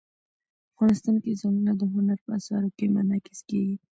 افغانستان کې ځنګلونه د هنر په اثار کې منعکس کېږي.